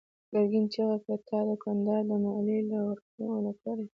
ګرګين چيغه کړه: تا دوکانداران د ماليې له ورکړې منع کړي دي.